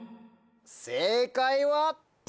正解は。